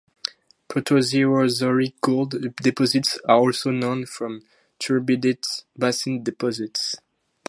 Proterozoic gold deposits are also known from turbidite basin deposits.